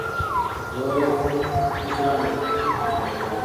زوري سون اُڇلآڻو۔